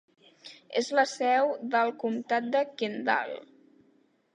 És la seu del comtat de Kendall.